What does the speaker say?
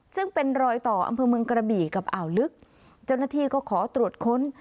ซึ่งเป็นรอยต่ออำเภอเมืองกระบี่กับอ่าวลึกเจ้าหน้าที่ก็ขอตรวจค้น